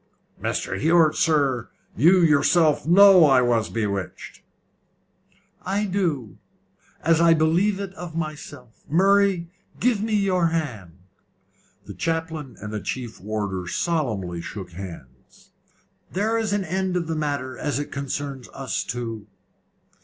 "Mr. Hewett, sir, you yourself know I was bewitched." "I do; as I believe it of myself. Murray, give me your hand." The chaplain and the chief warder solemnly shook hands. "There is an end of the matter as it concerns us two.